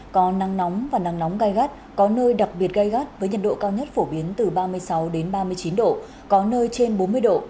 có nắng nóng và nắng nóng gai gắt có nơi đặc biệt gai gắt với nhiệt độ cao nhất phổ biến từ ba mươi sáu ba mươi chín độ có nơi trên bốn mươi độ